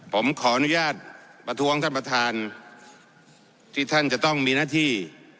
ผมขออนุญาตประท้วงท่านประธานที่ท่านจะต้องมีหน้าที่